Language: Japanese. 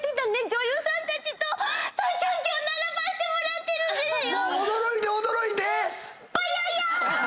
女優さんたちと今日並ばせてもらってるんですよ。